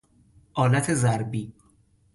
آلت ضربی